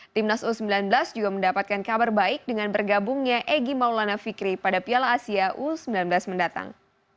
timnas u sembilan belas juga mendapatkan kabar baik dengan bergabungnya egy maulana fikri pada piala asia u sembilan belas mendatang